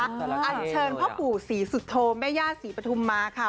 อันเชิญพ่อปู่ศรีสุโธแม่ย่าศรีปฐุมมาค่ะ